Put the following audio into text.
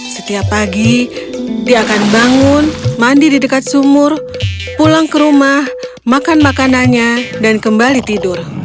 setiap pagi dia akan bangun mandi di dekat sumur pulang ke rumah makan makanannya dan kembali tidur